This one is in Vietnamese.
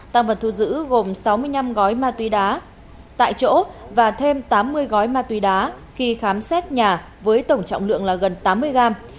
tăng vật thu giữ gồm sáu mươi năm gói ma túy đá tại chỗ và thêm tám mươi gói ma túy đá khi khám xét nhà với tổng trọng lượng là gần tám mươi gram